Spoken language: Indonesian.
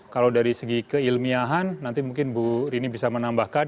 kalau dari segi keilmiahan nanti mungkin bu rini bisa menambahkan